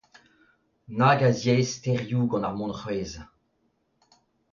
Nag a ziaesterioù gant ar monc'hwezh.